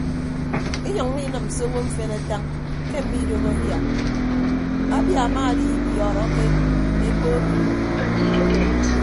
Inyʌññọ inịm se owo mfen atañ ke mmiidoho abia abia amaadibiọọrọke ekpo obioro.